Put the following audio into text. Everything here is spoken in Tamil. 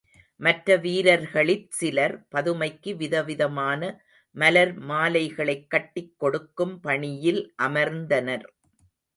மற்ற வீரர்களிற் சிலர் பதுமைக்கு விதவிதமான மலர் மாலைகளைக் கட்டிக் கொடுக்கும் பணியில் அமர்ந்தனர்.